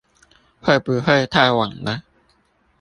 會不會太晚了？